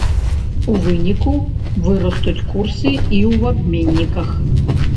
У выніку, вырастуць курсы і ў абменніках.